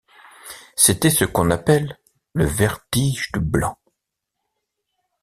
C’était ce qu’on appelle « le vertige du blanc ».